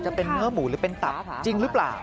จะเป็นเนื้อหมูหรือเป็นตับจริงหรือเปล่า